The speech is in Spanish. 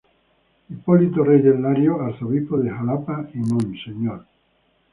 Hipólito Reyes Larios, Arzobispo de Xalapa y Mons.